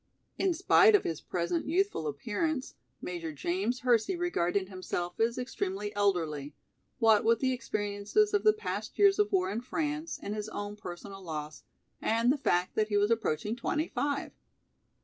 In spite of his present youthful appearance Major James Hersey regarded himself as extremely elderly, what with the experiences of the past years of war in France and his own personal loss, and the fact that he was approaching twenty five.